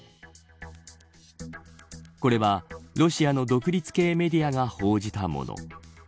これはロシアの独立系メディアが報じたもの。